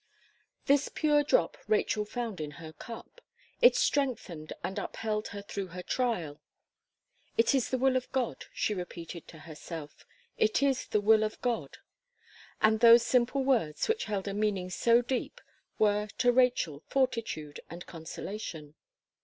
This pure drop Rachel found in her cup. It strengthened and upheld her through her trial. "It is the will of God," she repeated to herself "It is the will of God;" and those simple words, which held a meaning so deep, were to Rachel fortitude and consolation.